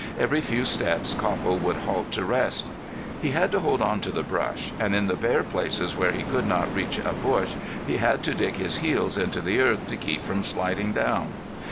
Every few steps Copple would halt to rest. He had to hold on to the brush and in the bare places where he could not reach a bush he had to dig his heels into the earth to keep from sliding down.